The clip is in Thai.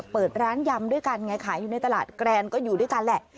เปิดร้านยำด้วยกันไงขายอยู่ในตลาดแกรนก็อยู่ด้วยกันแหละ